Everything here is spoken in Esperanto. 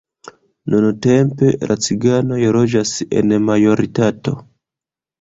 Nuntempe la ciganoj loĝas en majoritato.